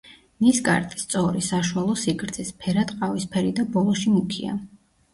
ნისკარტი სწორი, საშუალო სიგრძის, ფერად ყავისფერი და ბოლოში მუქია.